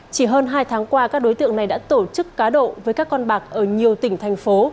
chỉ hơn hai tháng qua các đối tượng này đã tổ chức cá độ với các con bạc ở nhiều tỉnh thành phố